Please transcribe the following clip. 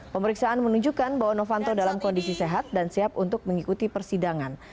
pemeriksaan menunjukkan bahwa novanto dalam kondisi sehat dan siap untuk mengikuti persidangan